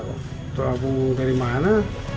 itu aku dari mana